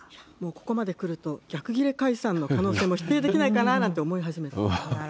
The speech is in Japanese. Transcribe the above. ここまでくると、逆切れ解散の可能性も否定できないかななんて思い始めてます。